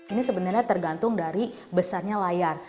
ini sebenarnya tergantung dari besarnya layar